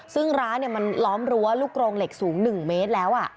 ซึ่งร้านมันล้อมรั้วลูกโรงเหล็กสูง๑เมตรแล้ว